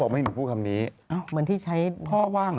มันที่ใช้พ่อว่าง